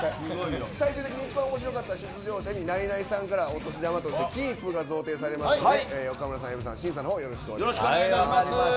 最終的に一番面白かった出場者にナイナイさんからお年玉として金一封が贈呈されますので岡村さん、矢部さん審査お願いします。